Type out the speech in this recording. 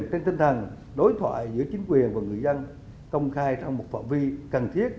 trên tinh thần đối thoại giữa chính quyền và người dân công khai trong một phạm vi cần thiết